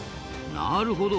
なるほど。